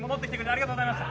ありがとうございます。